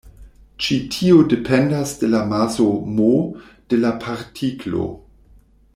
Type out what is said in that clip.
Ĉi tio dependas de la maso "m" de la partiklo.